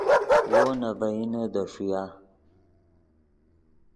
وو نے ڤئینے دے ݰویا